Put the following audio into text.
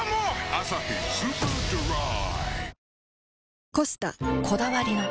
「アサヒスーパードライ」